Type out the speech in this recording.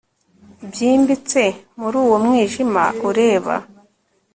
byimbitse muri uwo mwijima ureba